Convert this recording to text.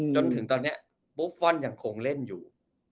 จนถึงตอนนี้บุฟฟอลยังคงเล่นอยู่